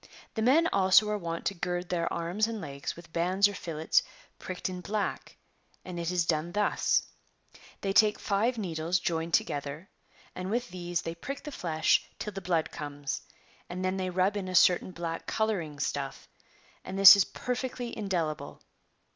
[The men also are wont to gird their arms and legs with bands or fillets pricked in black, and it is done thus ; they take five needles joined together, and with these they prick the flesh till the blood comes, and then they rub in a certain black colouring stuff, and this is perfectly indelible.